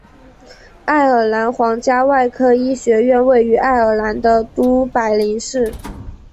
爱尔兰皇家外科医学院位于爱尔兰的都柏林市。